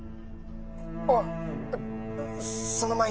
あっその前に